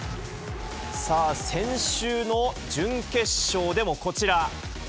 さあ、先週の準決勝でもこちら。